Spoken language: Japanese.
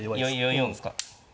４四ですか？